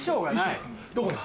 どこだ？